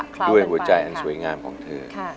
ด้วยหัวใจอันสวยงามของเธอ